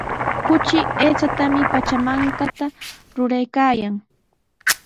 Kuchi aychapitami pachamankata ruraykaayan.